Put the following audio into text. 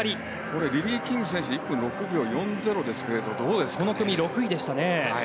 これ、リリー・キング選手１分６秒４０ですけどこの組、６位でしたね。